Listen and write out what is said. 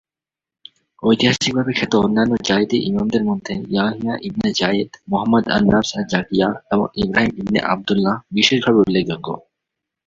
ঐতিহাসিকভাবে খ্যাত অন্যান্য জায়েদি ইমামদের মধ্যে ইয়াহিয়া ইবনে জায়েদ, মুহম্মদ আন-নফস আজ-জাকিয়া এবং ইব্রাহীম ইবনে আব্দুল্লাহ বিশেষভাবে উল্লেখযোগ্য।